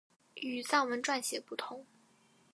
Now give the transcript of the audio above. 与藏文转写不同。